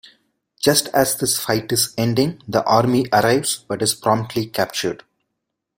Just as this fight is ending, the army arrives but is promptly captured.